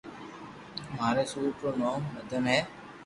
ماري سوٽ رو نوم مدن ھي